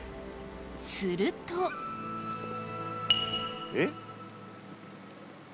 するとえっ？